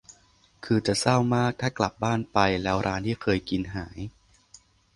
คือจะเศร้ามากถ้ากลับบ้านไป แล้วร้านที่เคยกินหาย